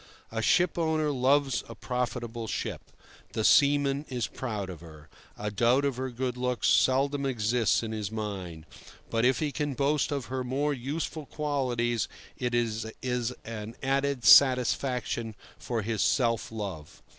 A shipowner loves a profitable ship; the seaman is proud of her; a doubt of her good looks seldom exists in his mind; but if he can boast of her more useful qualities it is an added satisfaction for his self love.